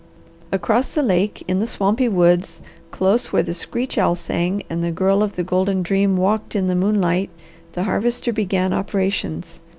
Across the lake, in the swampy woods, close where the screech owl sang and the girl of the golden dream walked in the moonlight the Harvester began operations.